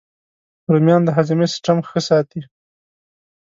رومیان د هاضمې سیسټم ښه ساتي